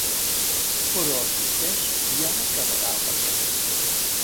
Però existeix i ara quedarà aparcat.